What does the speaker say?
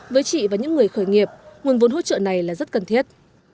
với chị và những người khởi nghiệp nguồn vốn hỗ trợ này là rất cần thiết